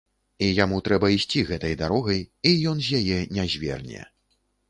І яму трэба ісці гэтай дарогай, і ён з яе не зверне.